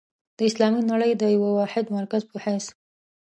د اسلامي نړۍ د یوه واحد مرکز په حیث.